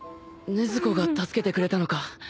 禰豆子が助けてくれたのか。